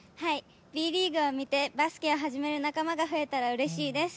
Ｂリーグを見てバスケットを始める仲間が増えたらうれしいです。